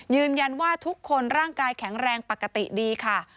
ยืนยันว่าทุกคนร่างกายแข็งแรงปกติดีค่ะ